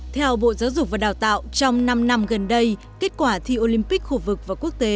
theo bộ giáo dục và đào tạo trong năm năm gần đây kết quả thi olympic khu vực và quốc tế